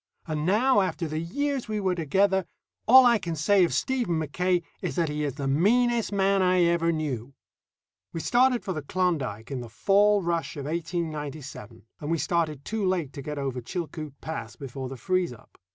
And now, after the years we were together, all I can say of Stephen Mackaye is that he is the meanest man I ever knew. We started for the Klondike in the fall rush of 1897, and we started too late to get over Chilcoot Pass before the freeze up.